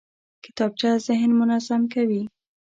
کتابچه ذهن منظم کوي